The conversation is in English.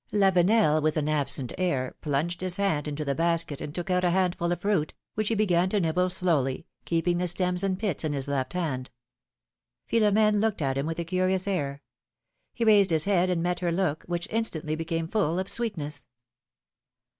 Lavenel, with an absent air, plunged his hand into the basket and took out a handful of fruit, which he began to nibble slowly, keeping the stems and pits in his left hand. Philom^ne looked at him with a curious air; he raised his head and met her look, which instantly became full of sweetness.